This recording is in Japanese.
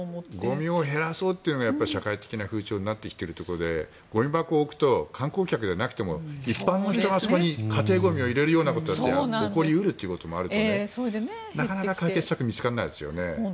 ゴミを減らそうというのが社会的な風潮になってきているところでゴミ箱を置くと観光客でなくても一般の人が家庭ゴミを入れることも起こり得ることもあるからなかなか解決策が見つからないですね。